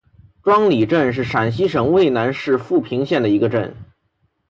庄里镇是陕西省渭南市富平县的一个镇。